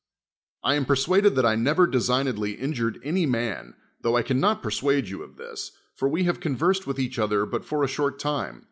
I am persuaded that I never designedly injured any num, tho I can not persuade you of this, for we have convei'sed with each other but for a short time.